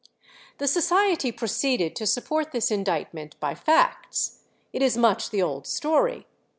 The Society proceeded to support this indictment by facts. It is much the old story.